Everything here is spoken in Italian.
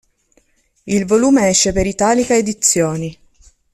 Il volume esce per Italica edizioni.